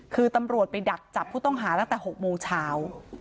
คือตำรวจไปดักจับผู้ต้องหาตั้งแต่๖โมงเช้า